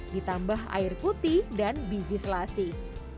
ditambah air putih dan biji selasi